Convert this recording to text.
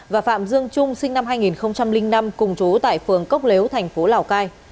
và phạm dương trung sinh năm hai nghìn năm cùng chú tại phường cốc lếu tp lào cai